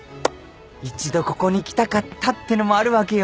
一度ここに来たかったってのもあるわけよ。